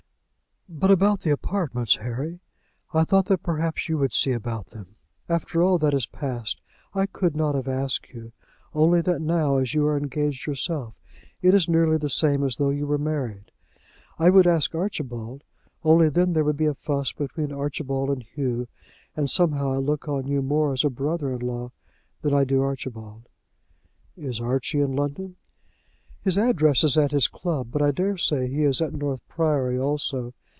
"But about the apartments, Harry? I thought that perhaps you would see about them. After all that has passed I could not have asked you, only that now, as you are engaged yourself, it is nearly the same as though you were married. I would ask Archibald, only then there would be a fuss between Archibald and Hugh; and somehow I look on you more as a brother in law than I do Archibald." "Is Archie in London?" "His address is at his club, but I daresay he is at North Priory also.